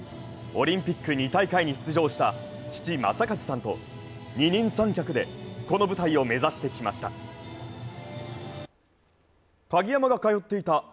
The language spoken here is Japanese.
オリンピック２大会に出場した父・正和さんと、二人三脚でこの舞台を目指してきました。